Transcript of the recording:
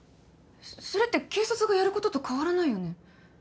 それって警察がやることと変わらないよね？